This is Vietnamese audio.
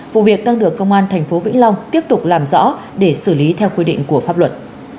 vụ việc đang được công an tp vĩnh long tiếp tục làm rõ để xử lý theo quy định của pháp luật